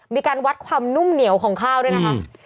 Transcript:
มีการวัดความนุ่มเหนียวของข้าวด้วยนะคะ